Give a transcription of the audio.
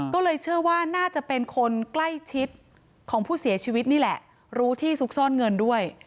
ก็เลยเชื่อว่าน่าจะเป็นคนใกล้ชิดของผู้เสียชีวิตนี่แหละรู้ที่ซุกซ่อนเงินด้วย